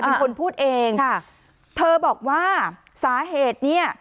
เป็นคนพูดเองค่ะเธอบอกว่าสาเหตุเนี้ย